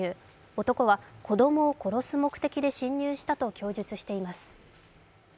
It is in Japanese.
男は子供を殺す目的で侵入したと供述しています。